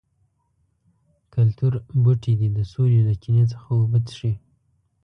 کلتور بوټي دې د سولې له چینې څخه اوبه وڅښي.